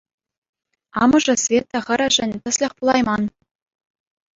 Амӑшӗ Света хӗрӗшӗн тӗслӗх пулайман.